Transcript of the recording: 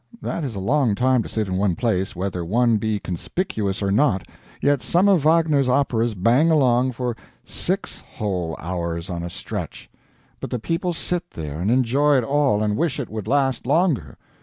That is a long time to sit in one place, whether one be conspicuous or not, yet some of Wagner's operas bang along for six whole hours on a stretch! But the people sit there and enjoy it all, and wish it would last longer.